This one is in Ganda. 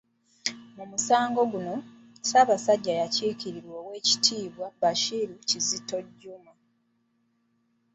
Mu musango guno, Ssaabasajja akiikirirwa owekitiibwa Bashir Kizito Juma.